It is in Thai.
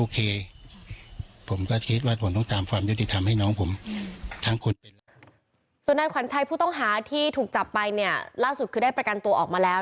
ส่วนนายขวัญชัยผู้ต้องหาที่ถูกจับไปเนี่ยล่าสุดคือได้ประกันตัวออกมาแล้ว